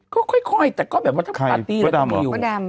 ก็ค่อยแต่ก็แบบว่าถ้าปลาตี้หรือของหนุ่ม